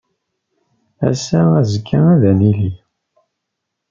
Ass-a azekka ad nili.